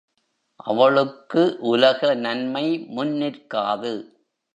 அவளுக்கு உலக நன்மை முன் நிற்காது.